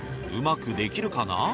うまくできるかな？